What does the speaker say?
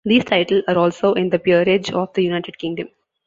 These title are also in the Peerage of the United Kingdom.